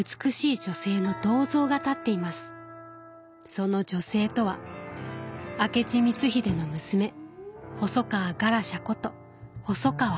その女性とは明智光秀の娘細川ガラシャこと細川玉。